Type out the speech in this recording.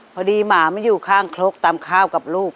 พอดีหมาไม่อยู่ข้างคลกตามข้าวกับลูก